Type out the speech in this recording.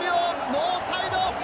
ノーサイド！